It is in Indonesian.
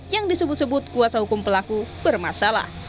yang disebut sebut kuasa hukum pelaku bermasalah